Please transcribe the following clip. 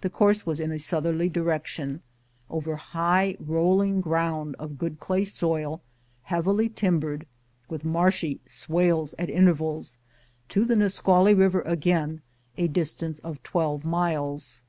The course was in a southerly direction, over nigh rolling ground of good clay soil, heavily timbered, with marshy swales at mtervals, to the Nisqually River again, a distance of twelve miles.